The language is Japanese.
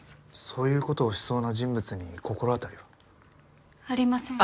そういうことをしそうな人物に心当たりは？ありません。